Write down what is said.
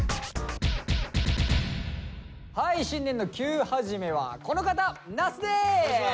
はい新年の「Ｑ」はじめはこの方那須です！